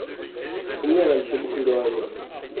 Combien valent ces boucles d'oreille ?